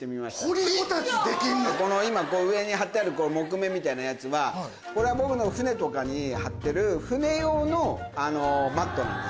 掘りゴタツできんの⁉今上に貼ってある木目みたいなやつはこれは僕の船とかに貼ってる船用のマットなんですよ。